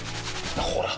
ほら！